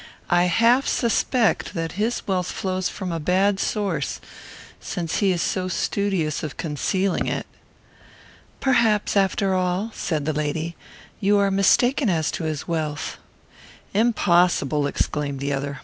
I half suspect that his wealth flows from a bad source, since he is so studious of concealing it." "Perhaps, after all," said the lady, "you are mistaken as to his wealth." "Impossible," exclaimed the other.